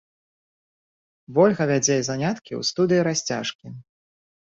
Вольга вядзе заняткі ў студыі расцяжкі.